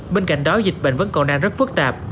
bên cạnh đó dịch bệnh vẫn còn đang rất phức tạp